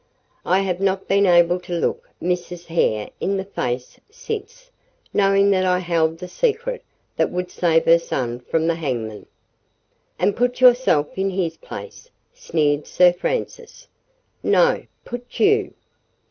I have not been able to look Mrs. Hare in the face since, knowing that I held the secret that would save her son from the hangman.' "'And put yourself in his place,' sneered Sir Francis. "'No. Put you.